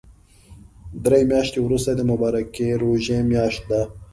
دري مياشتی ورسته د مبارکی ژوری مياشت ده